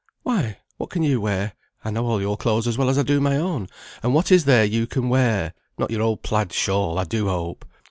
"Why, what can you wear? I know all your clothes as well as I do my own, and what is there you can wear? Not your old plaid shawl, I do hope?